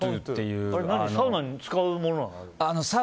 あれはサウナに使うものなの？